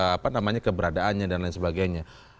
apa namanya keberadaannya dan lain sebagainya